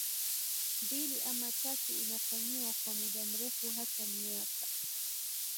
mbili ama tatu inafanyiwa kwa muda mrefu hata miaka